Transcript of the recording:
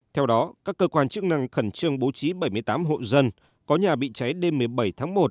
theo đó các cơ quan chức năng khẩn trương bố trí bảy mươi tám hộ dân có nhà bị cháy đêm một mươi bảy tháng một